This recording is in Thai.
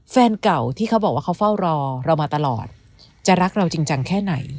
แฟนเก่าที่เขาบอกว่าเขาเฝ้ารอเรามาตลอดจะรักเราจริงจังแค่ไหน